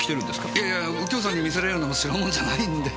いや右京さんに見せられるような代物じゃないんで。